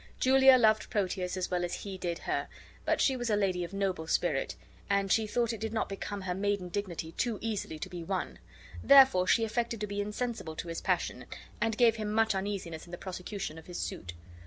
Julia loved Proteus as well as he did her, but she was a lady of a noble spirit, and she thought it did not become her maiden dignity too easily to be won; therefore she affected to be insensible of his passion and gave him much uneasiness in the prosecution of his suit.